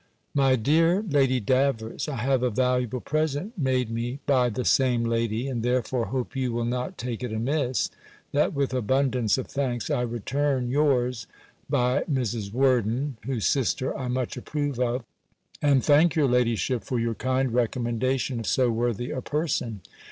MY DEAR LADY DAVERS, I have a valuable present made me by the same lady; and therefore hope you will not take it amiss, that, with abundance of thanks, I return your's by Mrs. Worden, whose sister I much approve of, and thank your ladyship for your kind recommendation of so worthy a person.